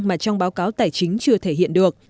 mà trong báo cáo tài chính chưa thể hiện được